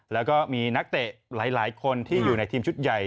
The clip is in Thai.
แล้วก็มีนักเตะหลายคนที่อยู่ในทีมชุดใหญ่